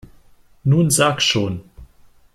Nun sag schon!